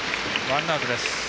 ワンアウトです。